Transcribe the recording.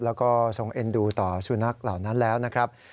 แล้วก็ทรงเอ็นดูต่อสุนัขเหล่านั้นแล้วนะครับ